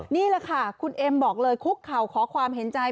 นี่แหละค่ะคุณเอ็มบอกเลยคุกเข่าขอความเห็นใจ